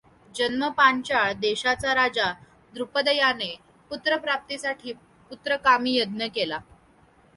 जन्म पांचाळ देशाचा राजा द्रुपदयाने पुत्रप्राप्तीसाठी पुत्रकामी यज्ञ केला.